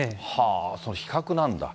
その比較なんだ。